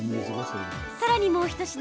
さらにもう一品